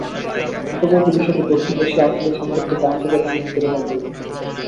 দ্রুতগতিতে বিষয়টি দক্ষিণ এশীয় আঞ্চলিক সংকট থেকে আন্তর্জাতিক ইস্যুতে রূপান্তরিত হয়।